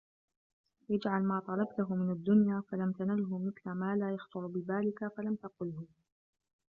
اجْعَلْ مَا طَلَبْته مِنْ الدُّنْيَا فَلَمْ تَنَلْهُ مِثْلَ مَا لَا يَخْطُرُ بِبَالِك فَلَمْ تَقُلْهُ